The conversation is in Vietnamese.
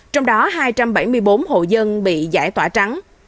trong đó hai trăm bảy mươi bốn hộ dân bị giải tỏa trắng